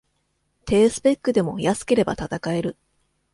低スペックでも安ければ戦える